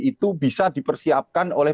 itu bisa dipersiapkan oleh